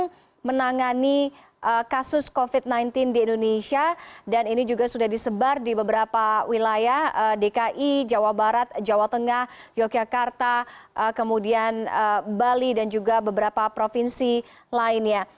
bagaimana menangani kasus covid sembilan belas di indonesia dan ini juga sudah disebar di beberapa wilayah dki jawa barat jawa tengah yogyakarta kemudian bali dan juga beberapa provinsi lainnya